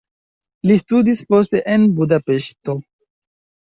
Li studis poste en Budapeŝto.